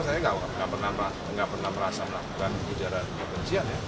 saya tidak pernah merasa melakukan ujaran kebencian